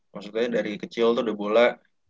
maksudnya dari kecil tuh udah bola